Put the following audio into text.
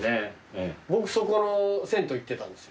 僕そこの銭湯行ってたんですよ。